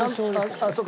あっそうか